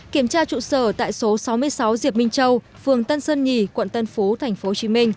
kiểm tra trụ sở tại số sáu mươi sáu diệp minh châu phường tân sơn nhì quận tân phú tp hcm